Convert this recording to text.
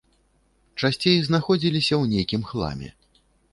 Часцей знаходзіліся ў нейкім хламе.